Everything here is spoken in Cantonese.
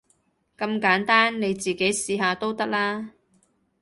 咁簡單，你自己試下都得啦